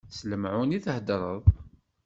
S lemɛun i theddreḍ?